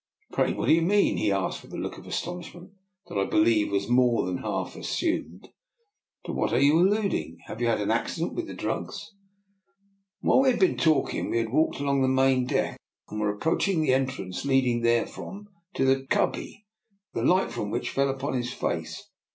Pray what do you mean? " he asked, with a look of astonishment that I believe was more than half assumed. " To what are you alluding? Have you had an accident with the drugs? " While we had been talking we had walked along the main deck, and were approaching the entrance leading therefrom to the cubby, the light from which fell upon his face.